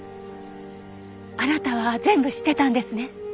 あなたは全部知ってたんですね。